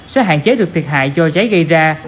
sẽ hạn chế được thiệt hại do cháy gây ra